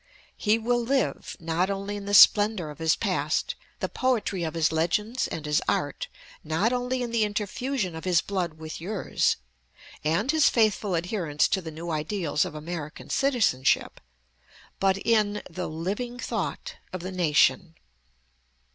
He will live, not only in the splendor of his past, the poetry of his legends and his art, not only in the interfusion of his blood with yours, and his faithful adherence to the new ideals of American citizenship, but in, the living thought of the nation.